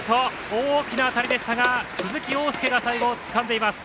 大きな当たりでしたが鈴木凰介が最後つかんでいます。